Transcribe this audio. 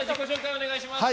お願いします。